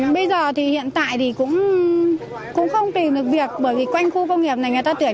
bây giờ thì hiện tại thì cũng không tìm được việc bởi vì quanh khu công nghiệp này người ta tuyển